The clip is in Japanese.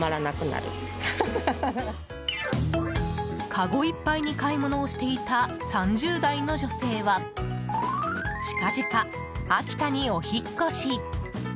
かごいっぱいに買い物をしていた３０代の女性は近々、秋田にお引っ越し。